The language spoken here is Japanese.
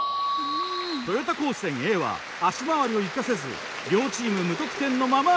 豊田高専Ａは足回りを生かせず両チーム無得点のまま終了。